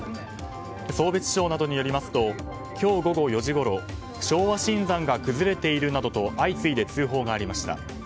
壮瞥町などによりますと今日午後４時ごろ昭和新山が崩れているなどと相次いで通報がありました。